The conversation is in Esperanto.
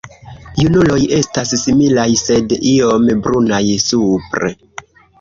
Junuloj estas similaj sed iom brunaj supre.